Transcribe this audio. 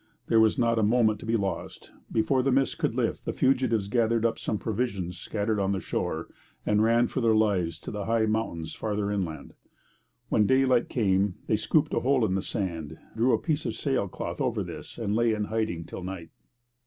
There was not a moment to be lost. Before the mist could lift, the fugitives gathered up some provisions scattered on the shore and ran for their lives to the high mountains farther inland. And when daylight came they scooped a hole in the sand, drew a piece of sail cloth over this, and lay in hiding till night.